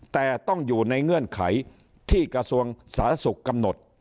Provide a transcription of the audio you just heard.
แต่ต้องอยู่ในเงื่อนไขที่กระทรวงสาธารณสุขกำหนด